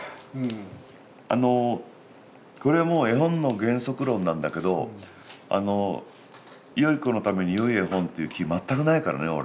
あのこれはもう絵本の原則論なんだけどよい子のためによい絵本っていう気全くないからね俺。